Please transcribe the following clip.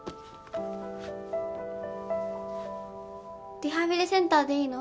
リハビリセンターでいいの？